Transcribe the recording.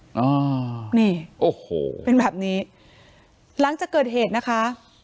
อ่านี่โอ้โหเป็นแบบนี้หลังจากเกิดเหตุนะคะ